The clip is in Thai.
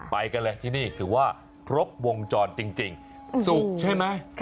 ไปกันเลยที่นี่ถือว่าครบวงจรจริงสุกใช่ไหม